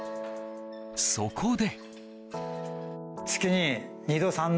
そこで。